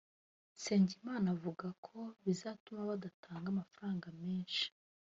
Nsengimana avuga ko bizatuma badatanga amafaranga menshi